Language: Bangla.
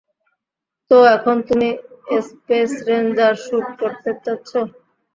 তো, এখম তুমি স্পেস রেঞ্জার স্যুট পরতে চাচ্ছো?